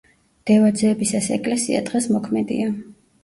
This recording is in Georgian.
დევაძეების ეს ეკლესია დღეს მოქმედია.